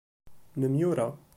Nemyura.